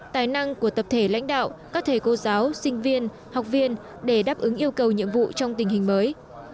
tài năng của tập thể lãnh đạo các thầy cô giáo sinh viên học viên để đáp ứng yêu cầu nhiệm vụ trong tình hình mới